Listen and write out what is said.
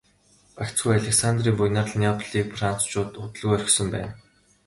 Гагцхүү Александрын буянаар л Неаполийг францчууд удалгүй орхисон байна.